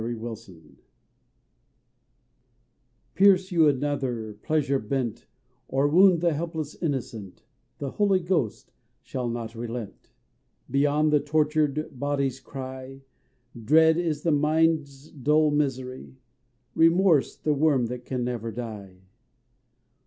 Remorse Pierce you another, pleasure bent, Or wound the helpless innocent; The Holy Ghost shall not relent. Beyond the tortured body's cry Dread is the mind's dull misery; Remorse, the worm, can never die.